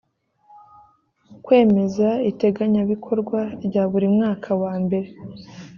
kwemeza iteganyabikorwa rya buri mwaka wambere